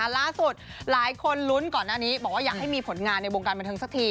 หลายคนลุ้นก่อนหน้านี้บอกว่าอยากให้มีผลงานในวงการบันเทิงสักที